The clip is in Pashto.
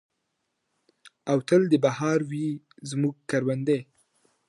او تل دې بہار وي زموږ کروندې.